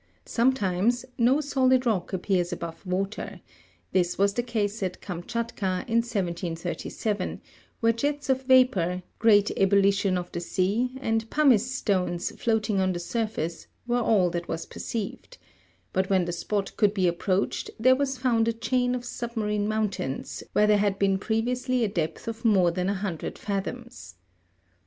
Sometimes no solid rock appears above water; this was the case at Kamtschatka, in 1737, where jets of vapour, great ebul lition of the sea, and pumice stones floating on the surface, were all that was perceived ; but when the spot could be approached, there was found a chaiu of submarine mountains, where there had been previously a depth of more than a hundred fathoms.